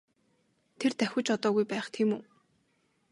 Тэр давхиж одоогүй байх тийм үү?